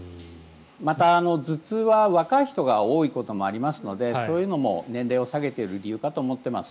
また、頭痛は若い人が多いこともありますのでそういうのも年齢を下げている理由かと思っています。